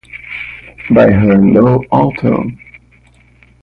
By her low alto!